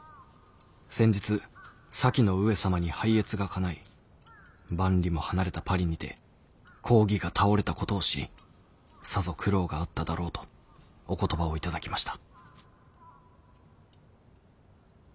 先日先の上様に拝謁がかない万里も離れたパリにて公儀が倒れたことを知りさぞ苦労があっただろうとお言葉を頂きました」。